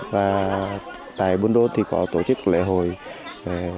và tại buôn đôn thì có tổ chức lễ hội truyền thống các dân tộc